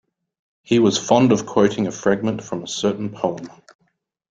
He was fond of quoting a fragment from a certain poem.